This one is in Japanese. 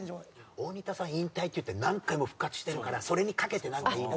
大仁田さん引退って言って何回も復活してるからそれにかけてなんか言いな。